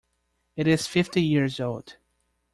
It is fifty years old.